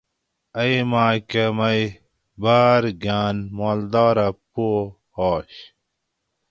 ائ مکاۤ مئ باۤر گاۤنہ مالدارہ پو آش